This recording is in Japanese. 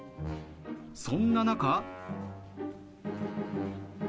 そんな中。